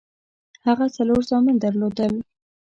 هغه څلور زامن درلودل.